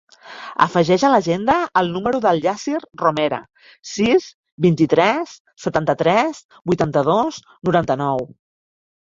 Afegeix a l'agenda el número del Yassir Romera: sis, vint-i-tres, setanta-tres, vuitanta-dos, noranta-nou.